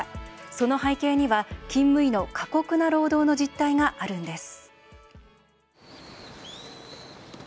その背景には勤務医の過酷な労働の実態があるんです。